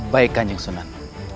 baik kanjang sunan